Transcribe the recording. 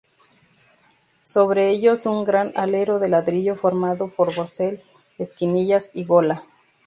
Sobre ellos un gran alero de ladrillo formado por bocel, esquinillas y gola.